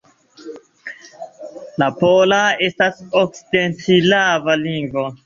La pola estas okcidentslava lingvo.